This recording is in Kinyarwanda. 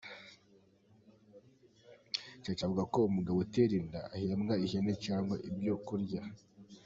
Chacha avuga ko umugabo utera inda ahembwa ihene cyanga ibyo kurya.